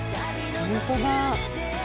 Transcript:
本当だ。